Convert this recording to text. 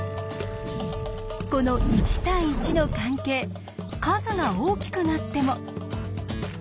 この１対１の関係数が大きくなっても。